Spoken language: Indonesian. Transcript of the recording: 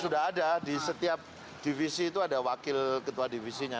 sudah ada di setiap divisi itu ada wakil ketua divisinya